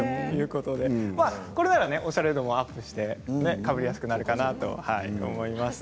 おしゃれ度もアップしてかぶりやすくなるかなと思います。